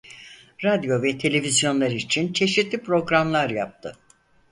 Radyo ve televizyonlar için çeşitli programlar yaptı.